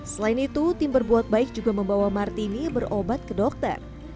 selain itu tim berbuat baik juga membawa martini berobat ke dokter